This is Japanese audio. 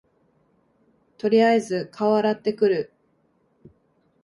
とりあえず顔洗ってくる